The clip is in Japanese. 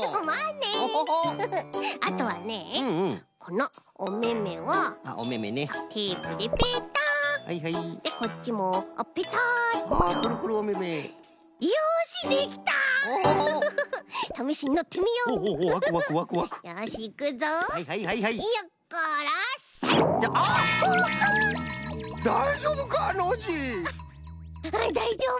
あだいじょうぶ。